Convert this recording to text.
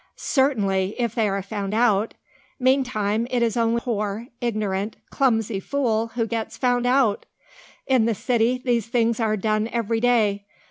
"Certainly; if they are found out. Meantime, it is only the poor, ignorant, clumsy fool who gets found out. In the City these things are done every day.